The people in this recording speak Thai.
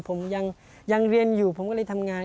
ผมยังเรียนอยู่ผมก็เลยทำงาน